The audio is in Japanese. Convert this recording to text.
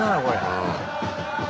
うん。